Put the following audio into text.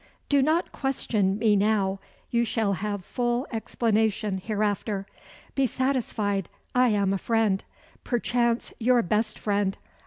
"Do not question me now: you shall have full explanation hereafter. Be satisfied I am a friend, perchance your best friend.